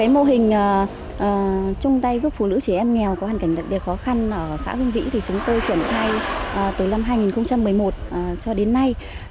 mô hình tiết kiệm từ rác thải mua bò sinh sản tặng hội viên phụ nữ nghèo được triển khai từ năm hai nghìn một mươi một cho đến nay